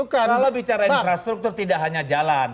kalau bicara infrastruktur tidak hanya jalan